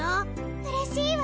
うれしいわ！